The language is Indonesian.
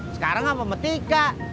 sekarang apa sama tika